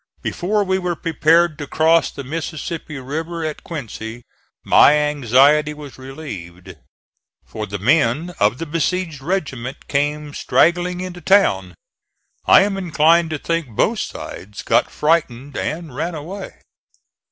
Before we were prepared to cross the Mississippi River at Quincy my anxiety was relieved; for the men of the besieged regiment came straggling into town. I am inclined to think both sides got frightened and ran away.